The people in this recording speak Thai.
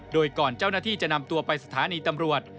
โดยก่อนเจ้าหน้าที่จะนำตัวไปสถานีตำรวจ